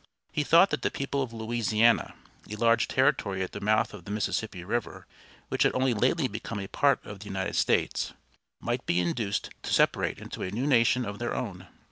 He thought that the people of Louisiana, a large territory at the mouth of the Mississippi River, which had only lately become a part of the United States, might be induced to separate into a new nation of their own.